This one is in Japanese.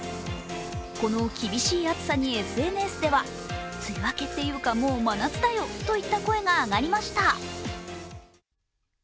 この厳しい暑さにＳＮＳでは梅雨明けっていうか、もう真夏だよといった声が上がりました。